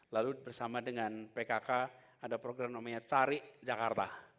lalu bersama dengan pkk ada program namanya cari jakarta